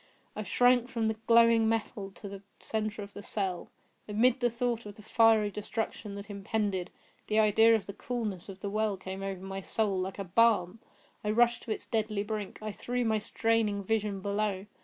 I shrank from the glowing metal to the centre of the cell. Amid the thought of the fiery destruction that impended, the idea of the coolness of the well came over my soul like balm. I rushed to its deadly brink. I threw my straining vision below.